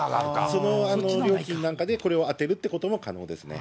その料金なんかでこれを充てるということも可能ですね。